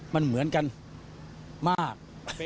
มันเหมือนกันมาก